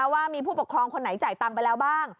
ว่ามีผู้ปกครองคนไหนจ่ายตังค์ไปแล้วบ้าง